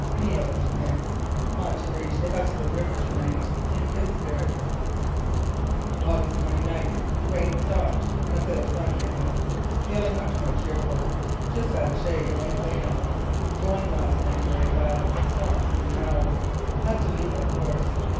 Meals: Nix. Ought to reach the Hustre river to night. In good spirits." "August 29th: Rain stopped and a bit of sun came out. Feeling much more cheerful. Just had a shave and clean up. Going last night very bad. Swamps and canals. Had to leave our course.